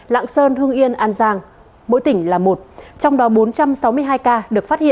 lạng sơn hương yên an giang mỗi tỉnh là một trong đó bốn trăm sáu mươi hai ca được phát hiện